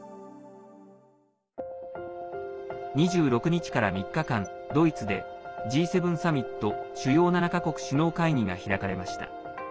２６日から３日間、ドイツでＧ７サミット＝主要７か国首脳会議が開かれました。